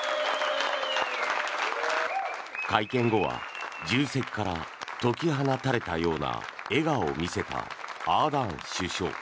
会見後は重責から解き放たれたような笑顔を見せたアーダーン首相。